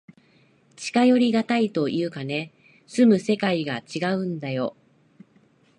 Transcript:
近寄りがたいというかね、住む世界がちがうんだよ。